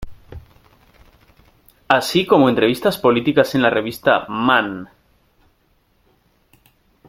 Así como entrevistas políticas en la revista "Man".